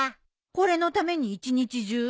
これのために一日中？